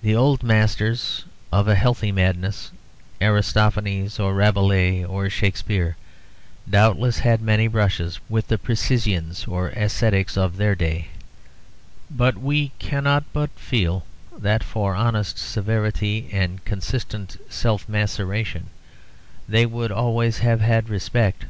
The old masters of a healthy madness, Aristophanes or Rabelais or Shakespeare, doubtless had many brushes with the precisians or ascetics of their day, but we cannot but feel that for honest severity and consistent self maceration they would always have had respect.